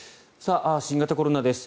新型コロナです。